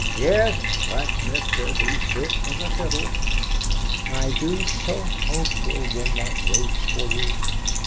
"Yes, Blacksmith says he's fit as a fiddle." "I do so hope he'll win that race for you.